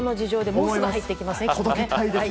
もうすぐ入ってきますので。